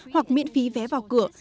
hoặc miễn phí vé vào cửa